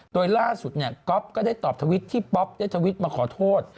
โดยล่าสุดเนี่ยก๊อฟก็ได้ตอบทวิตที่ป๊อปได้ทวิตมาขอโทษ